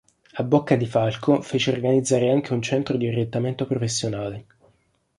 A Boccadifalco fece organizzare anche un centro di orientamento professionale.